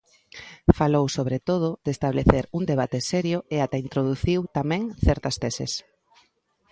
Falou sobre todo de establecer un debate serio e ata introduciu tamén certas teses.